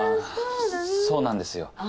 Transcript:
あそうなんですよ。